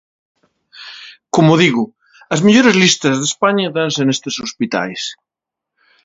Como digo, as mellores listas de España danse nestes hospitais.